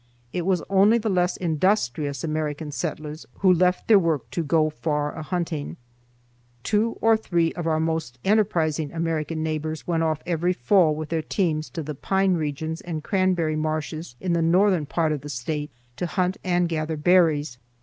It was only the less industrious American settlers who left their work to go far a hunting. Two or three of our most enterprising American neighbors went off every fall with their teams to the pine regions and cranberry marshes in the northern part of the State to hunt and gather berries.